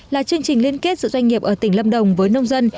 là chương trình liên kết giữa doanh nghiệp ở tỉnh lâm đồng với nông dân